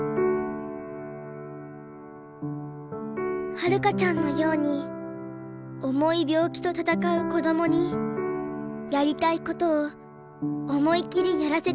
はるかちゃんのように重い病気と闘う子どもにやりたいことを思い切りやらせてあげたい。